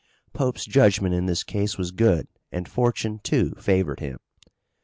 Pope's judgment in this case was good and fortune, too, favored him.